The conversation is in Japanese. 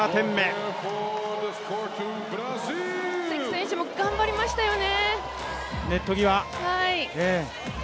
関選手も頑張りましたよね。